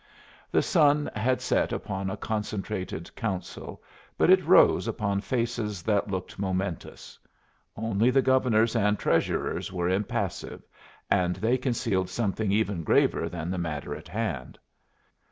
The sun had set upon a concentrated Council, but it rose upon faces that looked momentous. Only the Governor's and Treasurer's were impassive, and they concealed something even graver than the matter in hand.